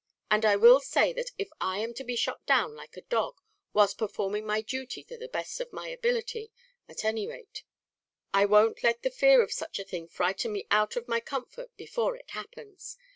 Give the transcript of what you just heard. And I will say that if I am to be shot down, like a dog, whilst performing my duty to the best of my ability, at any rate, I won't let the fear of such a thing frighten me out of my comfort before it happens.